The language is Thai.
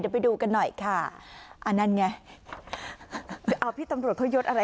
เดี๋ยวไปดูกันหน่อยค่ะอ่านั่นไงคือเอาพี่ตำรวจเขายดอะไร